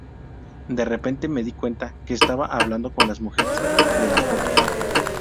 De repente me di cuenta que estaba hablando con las mujeres de las fotos.